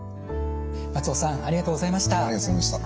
松尾さんありがとうございました。